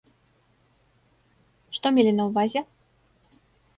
Што мелі на ўвазе?